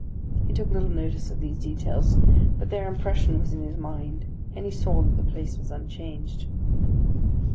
He took little notice of these details, but their impression was in his mind, and he saw that the place was unchanged.